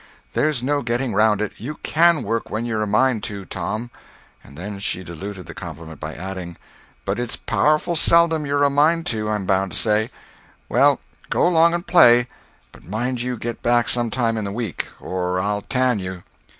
There's no getting round it, you can work when you're a mind to, Tom." And then she diluted the compliment by adding, "But it's powerful seldom you're a mind to, I'm bound to say. Well, go 'long and play; but mind you get back some time in a week, or I'll tan you."